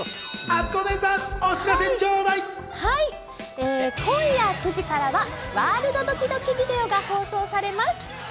あつこお姉さん、今夜９時からは『ワールドドキドキビデオ』が放送されます。